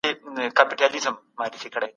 د کیسې تلوسې به زه له ځان سره وړلم.